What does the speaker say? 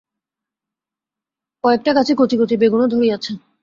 কয়েকটা গাছে কচি কচি বেগুনও ধরিয়াছে।